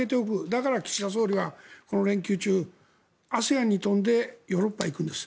だから岸田総理はこの連休中ＡＳＥＡＮに飛んでヨーロッパに行くんです。